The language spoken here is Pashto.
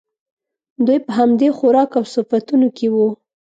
دوی په همدې خوراک او صفتونو کې وو.